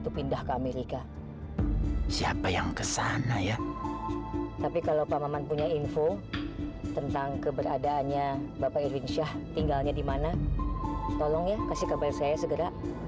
udah begini diusir usir